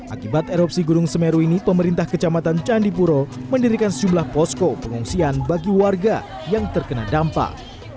akibat erupsi gunung semeru ini pemerintah kecamatan candipuro mendirikan sejumlah posko pengungsian bagi warga yang terkena dampak